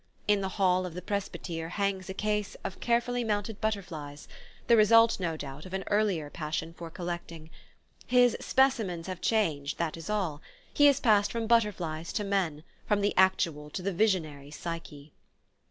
In the hall of the "presbytere" hangs a case of carefully mounted butterflies, the result, no doubt, of an earlier passion for collecting. His "specimens" have changed, that is all: he has passed from butterflies to men, from the actual to the visionary Psyche.